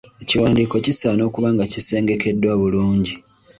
Ekiwandiiko kisaana okuba nga kisengekeddwa bulungi.